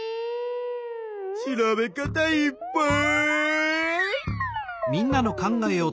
調べ方いっぱい！